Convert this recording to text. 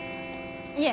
いえ